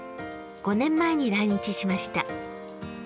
５年前に来日しました。